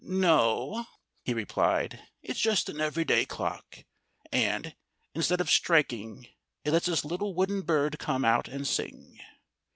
"No!" he replied. "It's just an everyday clock. And, instead of striking, it lets this little wooden bird come out and sing."